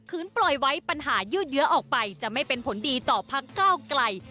คืนปล่อยไว้ปัญหายืดเยอะออกไปจะไม่เป็นผลดีต่อพักก้าวไกล